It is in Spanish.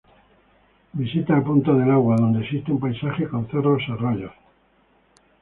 Visita a Punta del Agua, donde existe un paisaje con cerros, arroyos.